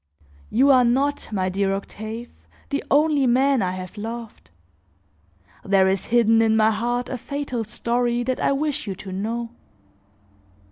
"You are not, my dear Octave, the only man I have loved. There is hidden in my heart a fatal story that I wish you to know.